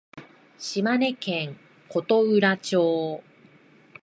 鳥取県琴浦町